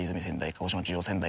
鹿児島中央川内